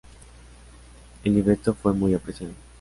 El libreto fue muy apreciado.